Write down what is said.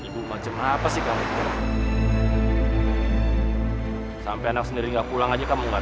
sampai jumpa di video selanjutnya